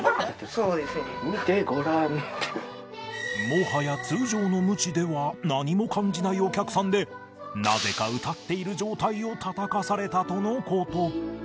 もはや通常のムチでは何も感じないお客さんでなぜか歌っている状態をたたかされたとの事